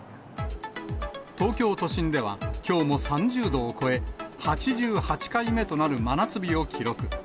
東京都心ではきょうも３０度を超え、８８回目となる真夏日を記録。